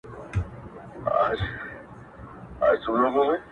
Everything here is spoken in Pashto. • چي پخوا د بوډۍ ټال وو اوس غروب وینم په خوب کي -